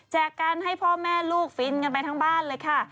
กันให้พ่อแม่ลูกฟินกันไปทั้งบ้านเลยค่ะ